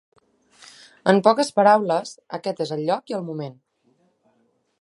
En poques paraules, aquest és el lloc i el moment.